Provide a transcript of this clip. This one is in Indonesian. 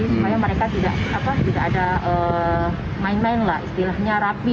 supaya mereka tidak ada main main lah istilahnya rapi